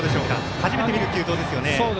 初めて見る球道ですよね。